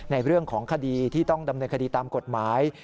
ในเรื่องของคดีที่ต้องดำเนินคดีตามกฎหมาย